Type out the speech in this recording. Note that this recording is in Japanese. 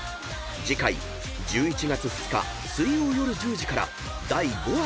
［次回１１月２日水曜夜１０時から第５話放送］